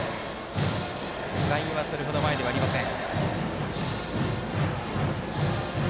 外野はそれほど前ではありません。